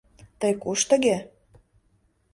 — Тый куш тыге?